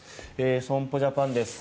損保ジャパンです。